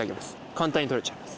簡単に取れちゃいます